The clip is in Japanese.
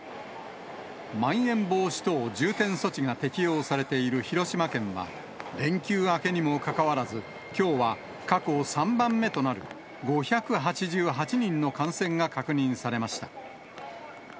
まん延防止等重点措置が適用されている広島県は、連休明けにもかかわらず、きょうは過去３番目となる５８８人の感染が確認されました。